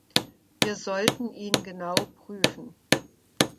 Wir sollten ihn genau prüfen.